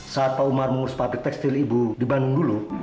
saat pak umar mengurus pabrik tekstil ibu di bandung dulu